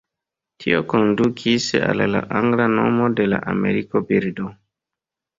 Tio kondukis al la angla nomo de la amerika birdo.